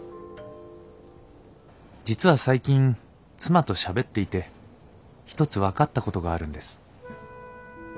実は最近妻としゃべっていて一つ分かったことがあるんです。